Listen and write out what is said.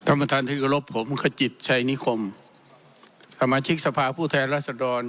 ท่านประธานที่กรบผมขจิตชัยนิคมสมาชิกสภาพผู้แทนรัศดร